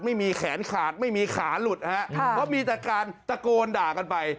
ไม่มีแขนขาดไม่มีขาหลุดฮะเพราะมีแต่การตะโกนด่ากันไป